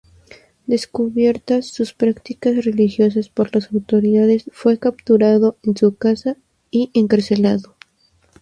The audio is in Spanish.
Descubiertas sus prácticas religiosas por las autoridades, fue capturado en su casa y encarcelado.